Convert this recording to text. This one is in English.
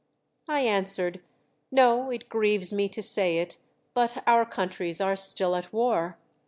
I answered, " No ; it grieves me to say it, but our countries are still at war.